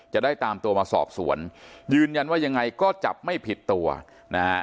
จะได้ตามตัวมาสอบสวนยืนยันว่ายังไงก็จับไม่ผิดตัวนะฮะ